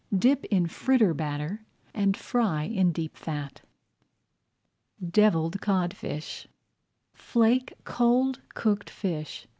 Dip in fritter batter and fry in deep fat. DEVILLED CODFISH Flake cold cooked fish.